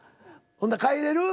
ほな帰れる？